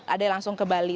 ada yang langsung ke bali